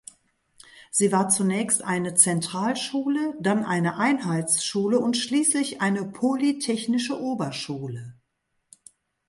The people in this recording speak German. Sie war zunächst eine Zentralschule, dann eine Einheitsschule und schließlich eine Polytechnische Oberschule.